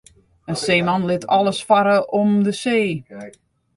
In seeman lit alles farre om de see.